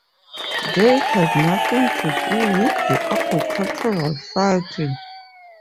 They had nothing to do with the agricultural cycle.